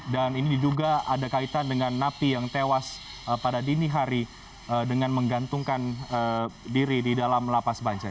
dan ini diduga ada kaitan dengan napi yang tewas pada dini hari dengan menggantungkan diri di dalam lapas bancai